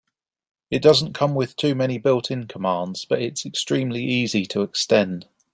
It doesn't come with too many built-in commands, but it's extremely easy to extend.